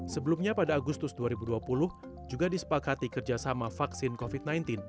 sebelumnya pada agustus dua ribu dua puluh juga disepakati kerjasama vaksin covid sembilan belas